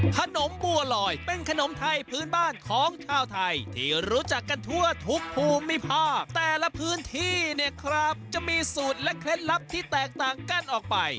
ขนมบัวลอยเป็นขนมไทยพื้นบ้านของชาวไทยที่รู้จักกันทั่วทุกภูมิภาคแต่ละพื้นที่เนี่ยครับจะมีสูตรและเคล็ดลับที่แตกต่างกันออกไป